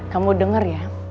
kamu denger ya